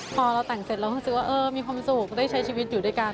พอเราแต่งเสร็จเราก็รู้สึกว่ามีความสุขได้ใช้ชีวิตอยู่ด้วยกัน